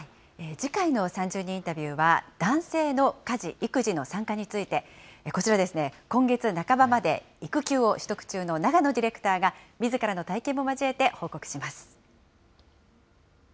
次回の３０人インタビューは、男性の家事・育児の参加について、こちらですね、今月半ばまで育休を取得中の長野ディレクターが、みずからの体験も交えて報告します。